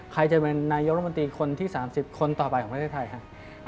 ใครจะเป็นนายกรมนตรีคนที่๓๐คนต่อไปของประเทศไทยครับ